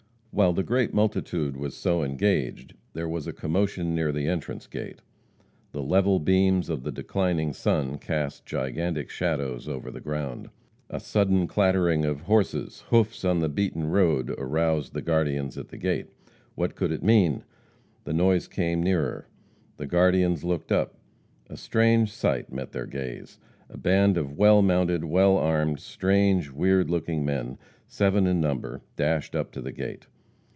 While the great multitude was so engaged, there was a commotion near the entrance gate. The level beams of the declining sun cast gigantic shadows over the ground. A sudden clattering of horses, hoofs on the beaten road aroused the guardians at the gate. What could it mean? The noise came nearer. The guardians looked up. A strange sight met their gaze. A band of well mounted, well armed, strange, weird looking men, seven in number, dashed up to the gate.